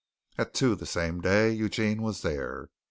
At two the same day Eugene was there.